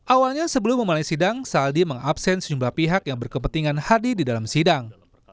awalnya sebelum memulai sidang saldi mengabsen sejumlah pihak yang berkepentingan hadir di dalam sidang